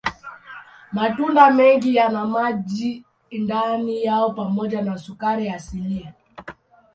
Matunda mengi yana maji ndani yao pamoja na sukari asilia.